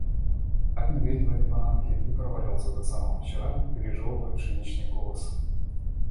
Так медведь в этой панамке и провалялся до самого вечера, пожёвывая пшеничный колос.